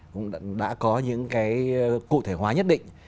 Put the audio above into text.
cũng đã có những cụ thể hóa nhất định